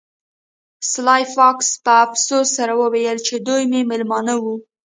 سلای فاکس په افسوس سره وویل چې دوی مې میلمانه وو